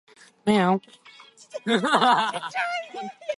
Nelson drove the car over to the disabled Ford.